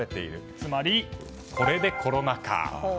つまり、これでコロナ禍。